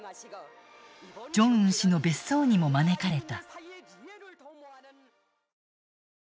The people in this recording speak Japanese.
ジョンウン氏の別荘にも招かれた。